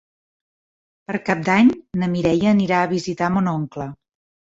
Per Cap d'Any na Mireia anirà a visitar mon oncle.